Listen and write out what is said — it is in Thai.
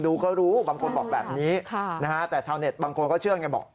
ดูเขารู้บางคนบอกแบบนี้แล้วแต่เช่าบางคนก็เชื่อยังจะบอก